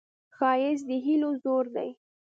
ښایست د هیلو زور دی